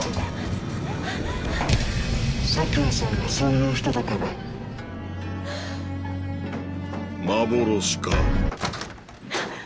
佐京さんはそういう人だから幻か？